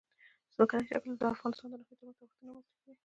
ځمکنی شکل د افغانستان د ناحیو ترمنځ تفاوتونه رامنځ ته کوي.